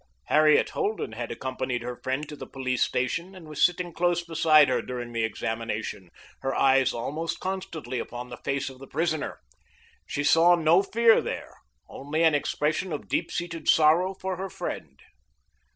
Harriet Holden had accompanied her friend to the police station, and was sitting close beside her during the examination, her eyes almost constantly upon the face of the prisoner. She saw no fear there, only an expression of deep seated sorrow for her friend.